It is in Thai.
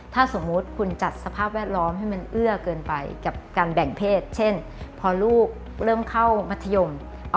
ถ้าสมมุติคุณจัดสภาพแวดล้อม